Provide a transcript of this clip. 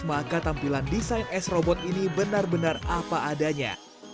maka tampilan desain s robot ini benar benar apa adanya